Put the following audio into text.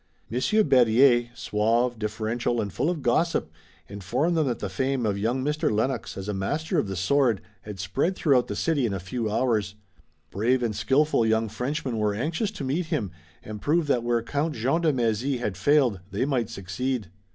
Monsieur Berryer, suave, deferential and full of gossip, informed them that the fame of young Mr. Lennox as a master of the sword had spread through the city in a few hours. Brave and skillful young Frenchmen were anxious to meet him and prove that where Count Jean de Mézy had failed they might succeed.